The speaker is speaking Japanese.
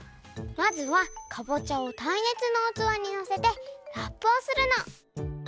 まずはかぼちゃをたいねつのうつわにのせてラップをするの。